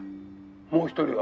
「もう１人は？」